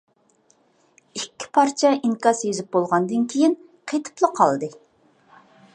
ئىككى پارچە ئىنكاس يېزىپ بولغاندىن كېيىن قېتىپلا قالدى.